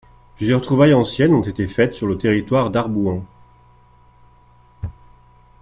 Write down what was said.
Plusieurs trouvailles anciennes ont été faites sur le territoire d'Arbouans.